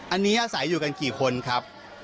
อันนี้อาศัยอยู่กันกี่คนครับ